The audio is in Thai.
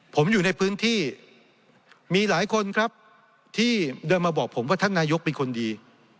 ผมอยู่ในพื้นที่มีหลายคนครับที่เดินมาบอกผมว่าท่านนายกเป็นคนดี